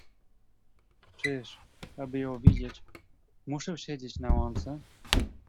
"„Czyż, aby ją widzieć, muszę siedzieć na łące?"